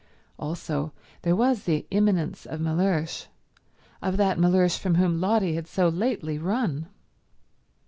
Also, there was the imminence of Mellersh, of that Mellersh from whom Lotty had so lately run.